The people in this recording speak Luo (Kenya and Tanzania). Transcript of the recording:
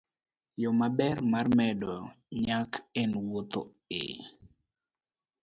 Yo maber mar medo nyak en wuotho e